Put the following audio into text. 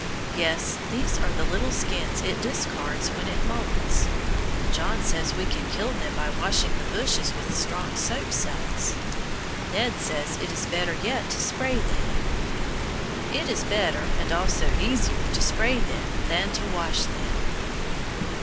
Yes, these are the little skins it discards when it moults. John says we can kill them by washing the bushes with strong soap suds. Ned says it is better yet to spray them. It is better and also easier to spray them than to wash them.